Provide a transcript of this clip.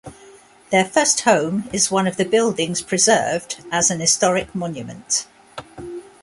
Their first home is one of the buildings preserved as an historic monument.